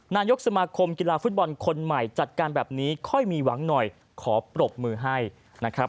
นายกสมาคมกีฬาฟุตบอลคนใหม่จัดการแบบนี้ค่อยมีหวังหน่อยขอปรบมือให้นะครับ